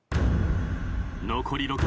残り６問。